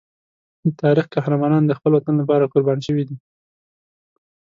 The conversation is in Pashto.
د تاریخ قهرمانان د خپل وطن لپاره قربان شوي دي.